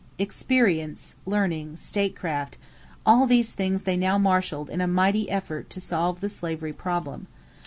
Experience, learning, statecraft all these things they now marshaled in a mighty effort to solve the slavery problem.